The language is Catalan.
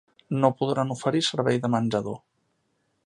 No podran oferir servei de menjador.